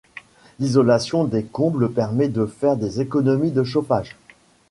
L'isolation des combles permet de faire des économies de chauffage.